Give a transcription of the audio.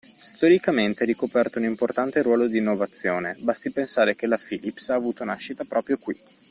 Storicamente ha ricoperto un importante ruolo di innovazione, basti pensare che la Philips ha avuto nascita proprio qui!